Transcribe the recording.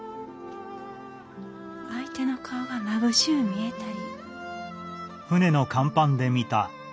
相手の顔がまぶしゅう見えたり。